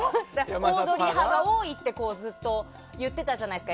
オードリー派が多いってずっと言ってたじゃないですか。